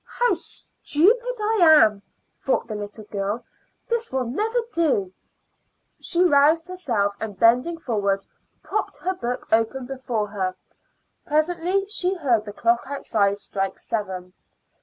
"How stupid I am!" thought the little girl. "This will never do." She roused herself, and bending forward, propped her book open before her. Presently she heard the clock outside strike seven.